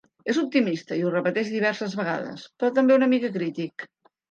És optimista i ho repeteix diverses vegades, però també una mica crític.